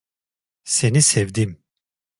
Seni sevdim.